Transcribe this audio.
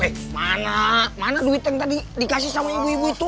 eh mana mana duit yang tadi dikasih sama ibu ibu itu